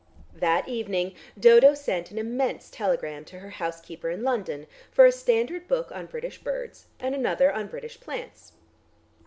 That evening Dodo sent an immense telegram to her housekeeper in London for a standard book on British birds and another on British plants.